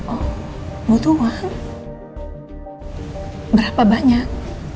oh butuh uang berapa banyak